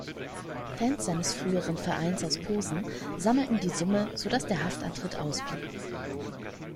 Fans seines früheren Vereins aus Posen sammelten die Summe sodass der Haftantritt ausblieb.